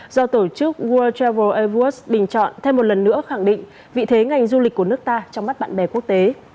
do tổ chức world travel airbus bình chọn thêm một lần nữa khẳng định vị thế ngành du lịch của nước ta trong mắt bạn bè quốc tế